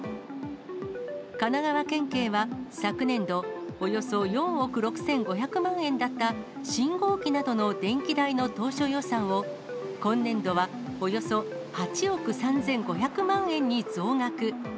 神奈川県警は、昨年度、およそ４億６５００万円だった信号機などの電気代の当初予算を、今年度はおよそ８億３５００万円に増額。